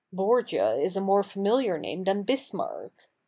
Borgia is a more familiar name than Bismarck.